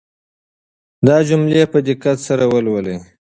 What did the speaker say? دا جملې په دقت سره ولولئ.